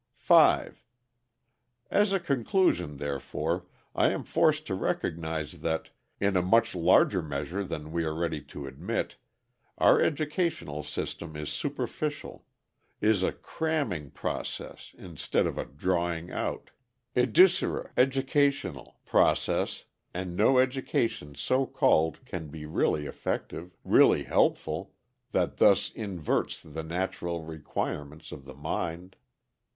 5. As a conclusion, therefore, I am forced to recognize that, in a much larger measure than we are ready to admit, our educational system is superficial, is a cramming process instead of a drawing out educere, educational process, and no education so called can be really effective, really helpful, that thus inverts the natural requirements of the mind.